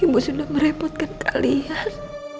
ibu sudah merepotkan kalian